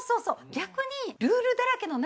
逆に。